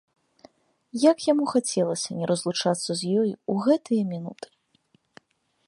Як яму хацелася не разлучацца з ёю ў гэтыя мінуты!